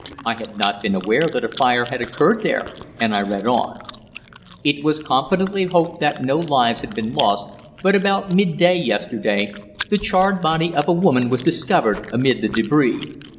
I had not been aware that a fire had occurred there, and I read on: It was confidently hoped that no lives had been lost, but about midday yesterday the charred body of a woman was discovered among the débris.